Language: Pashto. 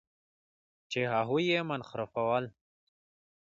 چې هغوی یې منحرفول.